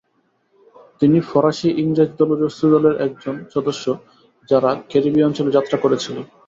তিনি ফরাসি-ইংরেজ জলদস্যু দলের একজন সদস্য যারা ক্যারিবীয় অঞ্চলে যাত্রা করেছিল।